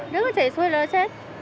nước nó chảy xuôi là nó chết